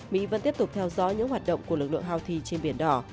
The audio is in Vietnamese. mỹ vẫn tiếp tục theo dõi những hoạt động của lực lượng houthi trên biển đỏ